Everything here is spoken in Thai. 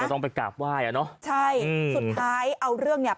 ต้องไปกราบไหว้อ่ะเนอะใช่สุดท้ายเอาเรื่องเนี่ย